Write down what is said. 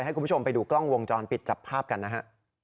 ให้คุณผู้ชมไปดูกล้องวงจรปิดจับภาพกันนะฮะ